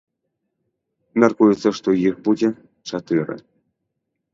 Мяркуецца, што іх будзе чатыры.